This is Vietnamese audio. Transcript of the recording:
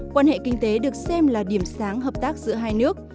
quan hệ kinh tế được xem là điểm sáng hợp tác giữa hai nước